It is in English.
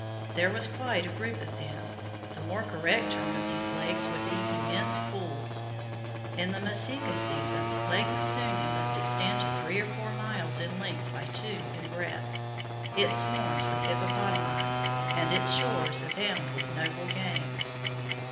There was quite a group of them. The more correct term of these lakes would be immense pools. In the Masika season, Lake Musunya must extend to three or four miles in length by two in breadth. It swarms with hippopotami, and its shores abound with noble game.